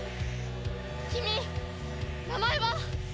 君名前は？